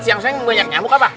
siang siang banyak nyamuk apa